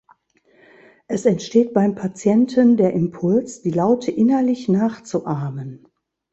Es entsteht beim Patienten der Impuls, die Laute innerlich nachzuahmen.